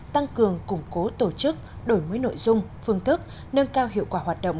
tăng cường củng cố tổ chức đổi mới nội dung phương thức nâng cao hiệu quả hoạt động